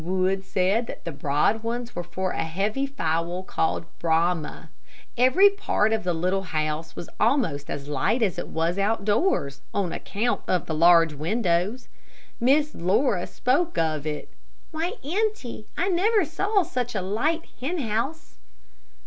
Wood said that the broad ones were for a heavy fowl called the Brahma. Every part of the little house was almost as light as it was out doors, on account of the large windows. Miss Laura spoke of it. "Why, auntie, I never saw such a light hen house."